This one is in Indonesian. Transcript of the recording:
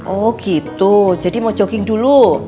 oh gitu jadi mau jogging dulu